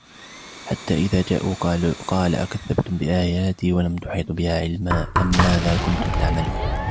حَتَّى إِذَا جَاءُوا قَالَ أَكَذَّبْتُمْ بِآيَاتِي وَلَمْ تُحِيطُوا بِهَا عِلْمًا أَمَّاذَا كُنْتُمْ تَعْمَلُونَ